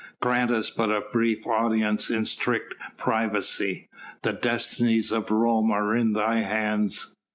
Grant us but a brief audience in strict privacy ... the destinies of Rome are in thy hands."